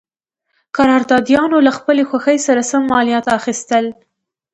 قراردادیانو له خپلې خوښې سره سم مالیات اخیستل.